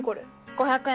５００円